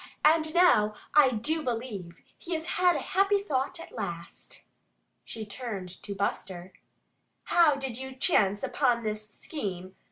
And now I do believe he has had a happy thought at last." She turned to Buster. "How did you chance upon this scheme?"